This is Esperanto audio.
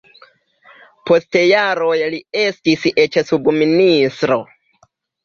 Post jaroj li estis eĉ subministro.